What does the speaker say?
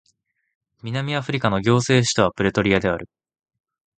南アフリカの行政首都はプレトリアである